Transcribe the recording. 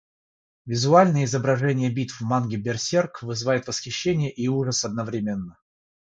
Визуальное изображение битв в манге Берсерк вызывает восхищение и ужас одновременно.